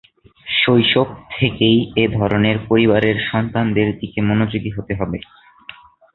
শৈশব থেকেই এ ধরনের পরিবারের সন্তানদের দিকে মনোযোগী হতে হবে।